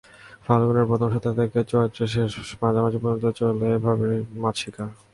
ফাল্গুনের প্রথম সপ্তাহ থেকে চৈত্রের মাঝামাঝি পর্যন্ত চলে এভাবে মাছ শিকার।